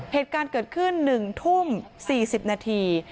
เหตุการณ์เกิดขึ้น๑ทุ่ม๔๐นาที